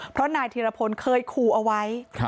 เพราะนายธีรพลเคยขู่เอาไว้